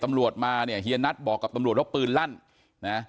ตำรวจมาเนี่ยเฮียนัทบอกกับตำรวจว่าปืนลั่นนะ